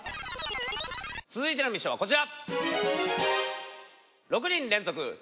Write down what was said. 続いてのミッションはこちら。